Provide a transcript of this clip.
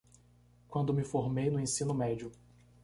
Quando me formei no ensino médio